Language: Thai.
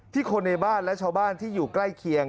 คนในบ้านและชาวบ้านที่อยู่ใกล้เคียง